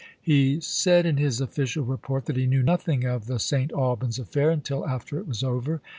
He said in his official report that he knew nothing of the St. Albans affair until after it was over.